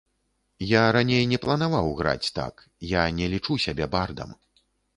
Я раней не планаваў граць так, я не лічу сябе бардам.